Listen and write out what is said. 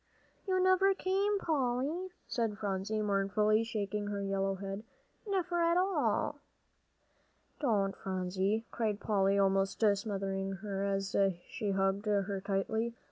"You never came, Polly," said Phronsie, mournfully shaking her yellow head, "never at all." "Don't, Phronsie," cried Polly, almost smothering her as she hugged her tightly.